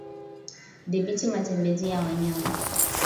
Dhibiti matembezi ya wanyama